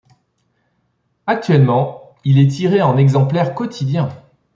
Actuellement, il est tiré en exemplaires quotidiens.